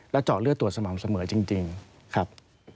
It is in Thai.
แล้วเจาะเลือดตัวสมองเสมอจริงครับ